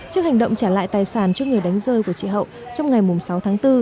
trước hành động trả lại tài sản trước người đánh rơi của chị hậu trong ngày sáu tháng bốn